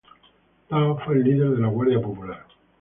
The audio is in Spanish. Dao fue el líder de la Guardia Popular.